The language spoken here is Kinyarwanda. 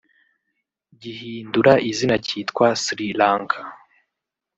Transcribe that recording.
gihindura izina cyitwa Sri Lanka